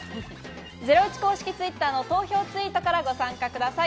ゼロイチ公式Ｔｗｉｔｔｅｒの投票ツイートからご参加ください。